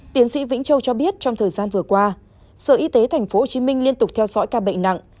tiến sĩ vĩnh châu cho biết trong thời gian vừa qua sở y tế tp hcm liên tục theo dõi ca bệnh nặng